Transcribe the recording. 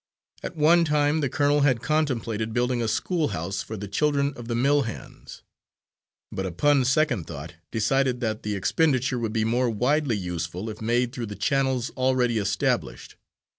At one time the colonel had contemplated building a schoolhouse for the children of the mill hands, but upon second thought decided that the expenditure would be more widely useful if made through the channels already established.